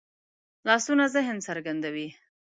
لاسونه ذهن څرګندوي